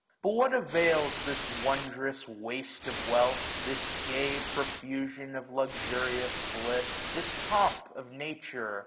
But what avails this wondrous waste of wealth ? This gay profusion of luxurious bliss ? 86 1 This pomp of Nature